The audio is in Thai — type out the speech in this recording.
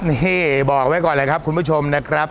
นี่บอกไว้ก่อนเลยครับคุณผู้ชมนะครับ